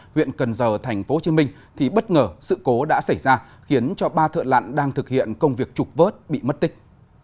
huyện cần giờ tp hcm thì bất ngờ sự cố đã xảy ra khiến cho ba thợ lặn đang thực hiện công việc trục vớt bị mất tích